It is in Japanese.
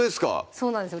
そうなんですよ